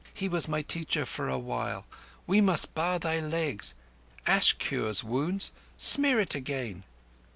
He was my teacher for a while. We must bar thy legs. Ash cures wounds. Smear it again."